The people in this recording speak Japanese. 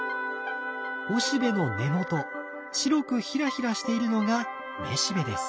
おしべの根元白くヒラヒラしているのがめしべです。